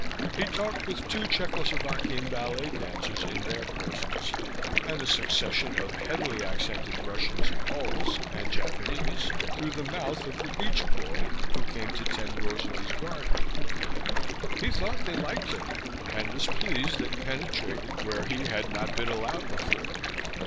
He talked with two Czechoslovakian ballet dancers in their persons, and a succession of heavily accented Russians and Poles and Japanese through the mouth of the beach boy who came to tend Rosalie's garden. He thought they liked him and was pleased that he penetrated where he had not been allowed before